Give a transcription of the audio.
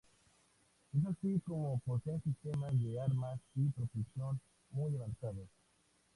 Es así como poseen sistemas de armas y propulsión muy avanzados.